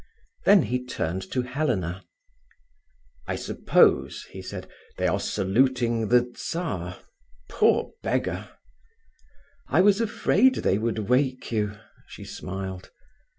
Then he turned to Helena. "I suppose," he said, "they are saluting the Czar. Poor beggar!" "I was afraid they would wake you," she smiled.